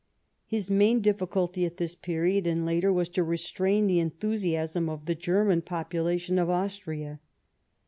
His main difficulty at this period and later was to restrain the enthusiasm of the German population of Austria.